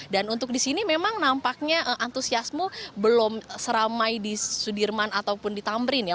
untuk di sini memang nampaknya antusiasme belum seramai di sudirman ataupun di tamrin ya